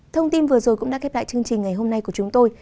thông tin vừa rồi cũng đã kết thúc chương trình ngày hôm nay của chúng tôi